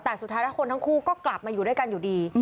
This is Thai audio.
แต่สุดท้ายแล้วคนทั้งคู่ก็กลับมาอยู่ด้วยกันอยู่ดี